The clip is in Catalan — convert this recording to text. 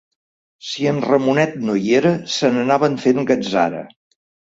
Si en Ramonet no hi era se'n anaven fent gatzara